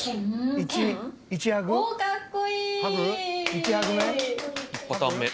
１パターン目。